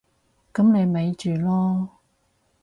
噉你咪住囉